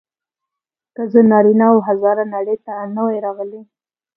که زه نارینه او هزاره نړۍ ته نه وای راغلی.